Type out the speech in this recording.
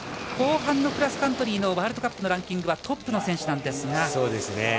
後半のクロスカントリーのワールドカップのランキングはトップの選手なんですが。